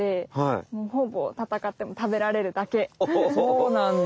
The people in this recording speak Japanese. そうなんだ。